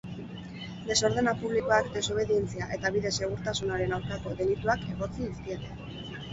Desordena publikoak, desobedientzia eta bide segurtasunaren aurkako delituak egotzi dizkiete.